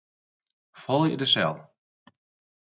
Folje de sel.